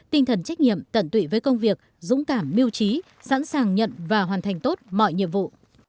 tinh thần trách nhiệm tận tụy với công việc dũng cảm mưu trí sẵn sàng nhận và hoàn thành tốt mọi nhiệm vụ